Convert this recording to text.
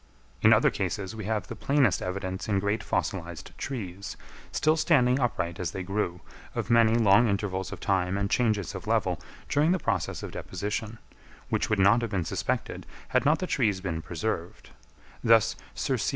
In other cases we have the plainest evidence in great fossilised trees, still standing upright as they grew, of many long intervals of time and changes of level during the process of deposition, which would not have been suspected, had not the trees been preserved: thus Sir C.